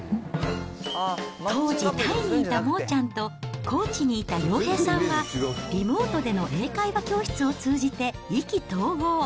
当時、タイにいたモーちゃんと、高知にいた洋平さんは、リモートでの英会話教室を通じて意気投合。